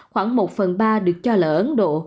khoảng một phần ba được cho là ở ấn độ